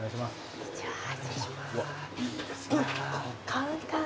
カウンター。